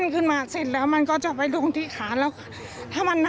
ขามันก็จะบวมพอบวมมันก็เดินไม่ได้